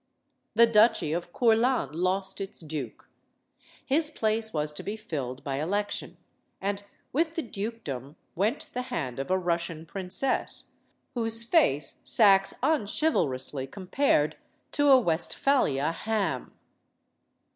The Duchy of Courland lost its duke. His place was to be filled by election. And with the dukedom went the hand of a Russian princess, whose face Saxe unchivalrously compared to a Westphalia ham.